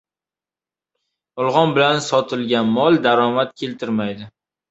• Yolg‘on bilan sotilgan mol daromad keltirmaydi.